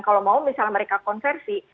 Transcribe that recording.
kalau mau misalnya mereka konversi